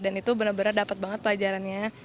dan itu bener bener dapat banget pelajarannya